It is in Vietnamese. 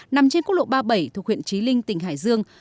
nằm trên quốc lộ ba mươi bảy thuộc huyện trí linh tỉnh hải dương